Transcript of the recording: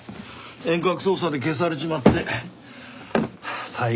遠隔操作で消されちまって再現不能だ。